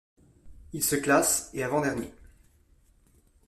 Il se classe et avant-dernier.